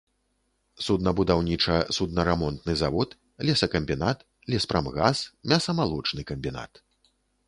Суднабудаўніча-суднарамонтны завод, лесакамбінат, леспрамгас, мяса-малочны камбінат.